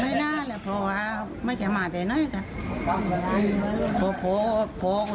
เขาพออาฆาตมั้งจะมาแต่ไหนกะอยากกระโกดากล่ะ